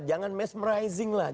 jangan mesmerizing lah